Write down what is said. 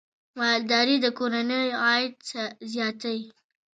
مالداري د کورنیو عاید زیاتوي.